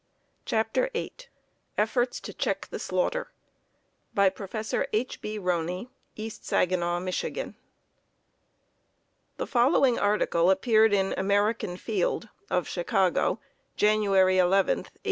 CHAPTER VIII Efforts to Check the Slaughter By Prof. H. B. Roney, East Saginaw, Mich. The following article appeared in "American Field," of Chicago, Jan. 11, 1879.